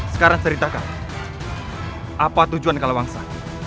sekarang ceritakan apa tujuan kalawangsa